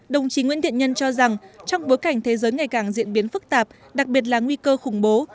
đồng chí nguyễn thiện nhân cho rằng trong bối cảnh thế giới ngày càng diễn biến phức tạp đặc biệt là nguy cơ khủng bố